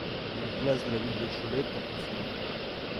Une place de la ville de Cholet porte son nom.